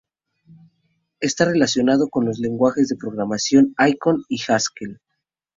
Está relacionado con los lenguajes de programación Icon y Haskell.